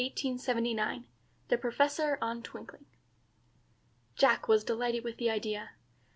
[TO BE CONTINUED.] THE PROFESSOR ON TWINKLING. Jack was delighted with the idea.